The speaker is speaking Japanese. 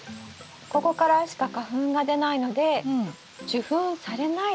ここからしか花粉が出ないので受粉されないですね。